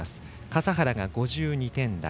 笠原が５２点台。